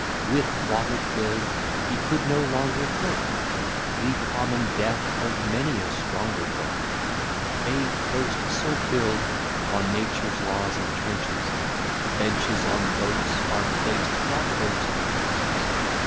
With water fill'd, he could no longer float, The common death of many a stronger boat. A post so fill'd on nature's laws entrenches: Benches on boats are placed, not boats on benches.